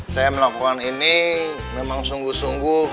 saya melakukan ini memang sungguh sungguh